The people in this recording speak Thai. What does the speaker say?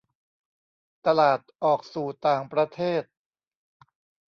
ตลาดออกสู่ต่างประเทศ